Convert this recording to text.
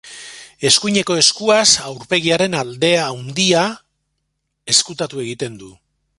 Eskuineko eskuaz aurpegiaren alde handia ezkutatu egiten du.